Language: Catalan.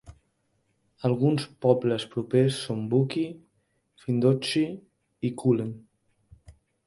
Alguns pobles propers són Buckie, Findochty i Cullen.